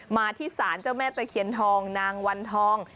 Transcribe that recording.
มาที่ศาลเจ้าแม่ตะเคียนทองนางวันทอง